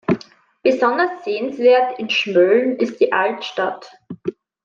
Besonders sehenswert in Schmölln ist die Altstadt.